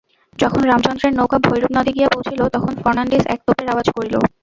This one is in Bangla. যখন রামচন্দ্রের নৌকা ভৈরব নদে গিয়া পৌঁছিল তখন ফর্ণাণ্ডিজ এক তোপের আওয়াজ করিল।